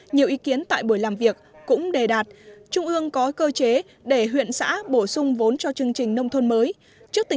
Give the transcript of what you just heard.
nhiều ý kiến tại buổi làm việc cũng đề đạt trung ương có cơ chế để huyện xã bổ sung vốn cho chương trình nông thôn mới